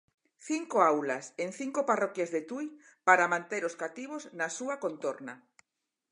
Cinco aulas en cinco parroquias de Tui, para manter os cativos na súa contorna.